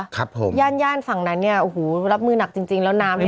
ครับผมย่านย่านฝั่งนั้นเนี่ยโอ้โหรับมือหนักจริงจริงแล้วน้ำเนี้ย